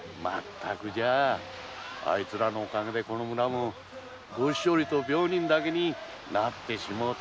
あいつらのおかげでこの村も老人と病人だけになってしもうた。